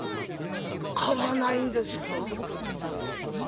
買わないんですか」。